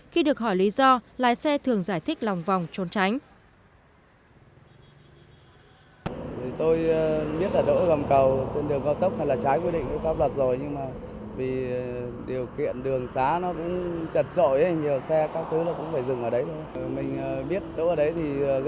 khi được hỏi lý do lái xe thường giải thích lòng vòng trốn tránh